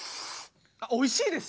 あおいしいです！